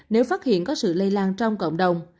nếu phát hiện có sự lây lan trong cộng đồng